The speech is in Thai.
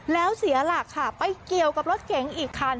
แล้วเสียหลักค่ะไปเกี่ยวกับรถเก๋งอีกคัน